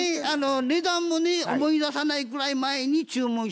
値段もね思い出さないくらい前に注文したんですよ。